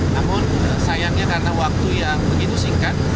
namun sayangnya karena waktu yang begitu singkat